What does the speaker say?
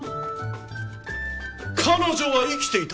彼女は生きていた！